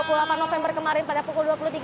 pada november kemarin pada pukul dua puluh tiga